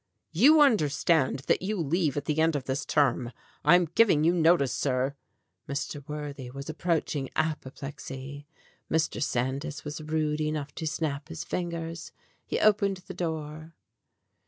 "You understand that you leave at the end of this term. I am giving you notice, sir." Mr. Worthy was approaching apoplexy. Mr. Sandys was rude enough to snap his fingers. He opened the door.